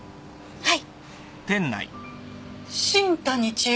はい。